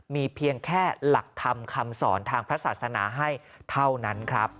มีเพียงแค่หลักธรรมคำสอนทางพระศาสนาให้เท่านั้นครับ